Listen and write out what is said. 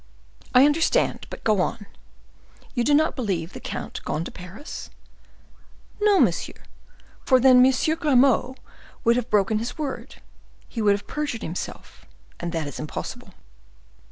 "I understand; but go on. You do not believe the count gone to Paris?" "No, monsieur; for then M. Grimaud would have broken his word; he would have perjured himself, and that is impossible."